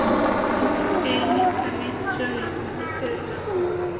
ওহ, এটা নিশ্চয়ই ভালুকের এলাকা।